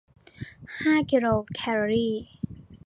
ห้ากิโลแคลอรี